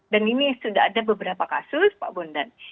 ini sudah ada beberapa kasus pak bondan